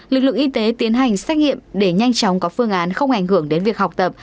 lực lượng y tế tiến hành xét nghiệm để nhanh chóng có phương án không ảnh hưởng đến việc học tập